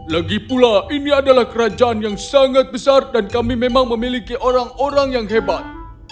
lagi pula ini adalah kerajaan yang sangat besar dan kami memang memiliki orang orang yang hebat